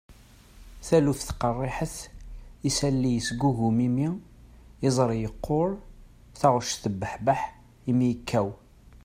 taluft qerriḥet, isalli yesgugum imi, iẓri yeqquṛ, taɣect tebbuḥbeḥ, imi yekkaw